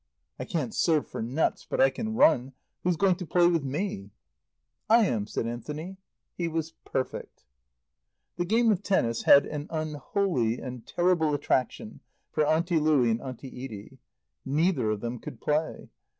"I can't serve for nuts, but I can run. Who's going to play with me?" "I am," said Anthony. He was perfect. The game of tennis had an unholy and terrible attraction for Auntie Louie and Auntie Edie. Neither of them could play.